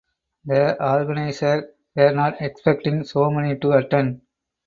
The organisers were not expecting so many to attend.